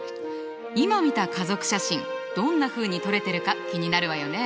今見た家族写真どんなふうに撮れてるか気になるわよね？